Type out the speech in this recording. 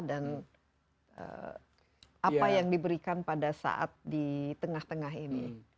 dan apa yang diberikan pada saat di tengah tengah ini